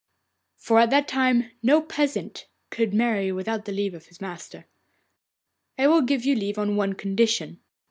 For at that time no peasant could marry without the leave of his master. 'I will give you leave on one condition.